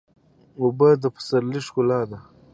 اوبه د پسرلي ښکلا ده.